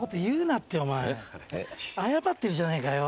謝ってるじゃないかよ。